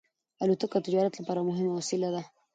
الوتکه د تجارت لپاره مهمه وسیله ده.